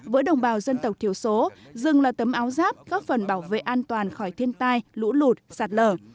với đồng bào dân tộc thiểu số rừng là tấm áo giáp góp phần bảo vệ an toàn khỏi thiên tai lũ lụt sạt lở